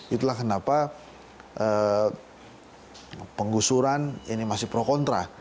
itulah kenapa penggusuran ini masih pro kontra